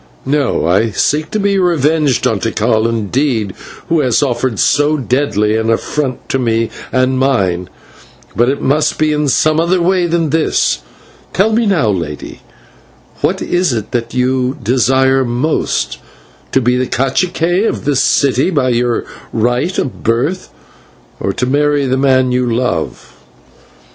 No, I seek to be revenged on Tikal, indeed, who has offered so deadly an affront to me and mine, but it must be in some other way than this. Tell me now, lady, what is it that you desire most to be /cacique/ of this city by your right of birth, or to marry the man you love?"